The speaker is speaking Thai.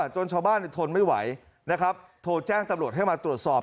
ชาวบ้านทนไม่ไหวนะครับโทรแจ้งตำรวจให้มาตรวจสอบ